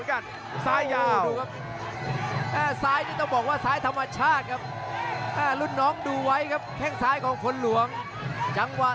ขวางหน้าขวางไว้